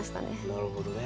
なるほどね。